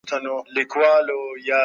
د لوستلو پيغام په غره کي نازل سو.